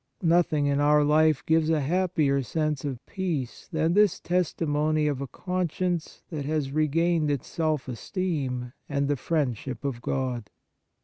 Nothing in our life gives a happier sense of peace than this testimony of a conscience that has regained its self esteem and the friendship of God.